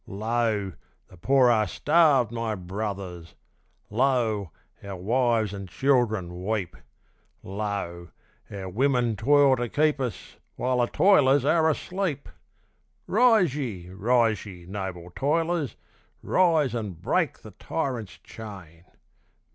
Lo! the poor are starved, my brothers! lo! our wives and children weep! Lo! our women toil to keep us while the toilers are asleep! Rise ye! rise ye! noble toilers! rise and break the tyrant's chain!